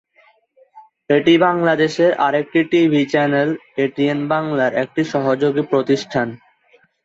এটি বাংলাদেশের আরেকটি টিভি চ্যানেল এটিএন বাংলার একটি সহযোগী প্রতিষ্ঠান।